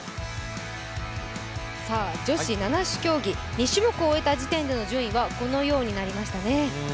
女子七種競技、２種目を終えた時点での順位はこのようになりましたね。